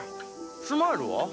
スマイルは？